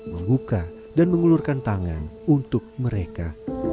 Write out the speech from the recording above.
membuka dan mengulurkan tangan untuk mereka